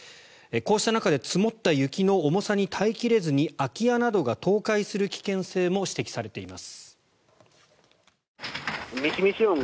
こうした中で積もった雪の重さに耐え切れずに空き家などが倒壊する危険性も指摘されています。